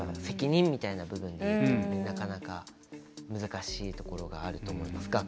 責任みたいな部分でいうとなかなか難しいところがあると思います。